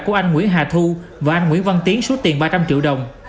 của anh nguyễn hà thu và anh nguyễn văn tiến số tiền ba trăm linh triệu đồng